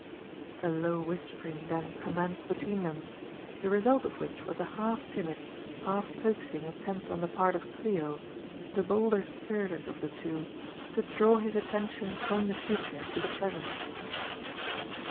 A low whispering then commenced between them, the result of which was a half timid, half coaxing attempt on the part of Clio, the bolder spirited of the two, to draw his attention from the future to the pre sent.